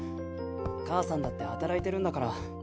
母さんだって働いてるんだから。